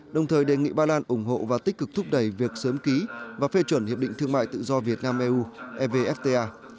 đồng thời đề nghị ba lan ủng hộ và tích cực thúc đẩy việc sớm ký và phê chuẩn hiệp định thương mại tự do việt nam eu evfta